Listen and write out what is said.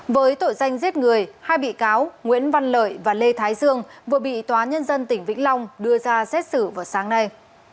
với tội danh giết người hai bị cáo nguyễn văn lợi và lê thái dương vừa bị tòa nhân dân tỉnh vĩnh long đưa ra xét xử vào sáng nay